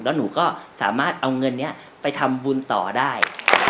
แล้วหนูก็สามารถเอาเงินนี้ไปทำบุญต่อได้